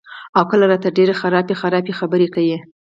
او کله راته ډېرې خرابې خرابې خبرې کئ " ـ